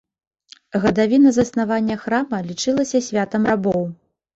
Гадавіна заснавання храма лічылася святам рабоў.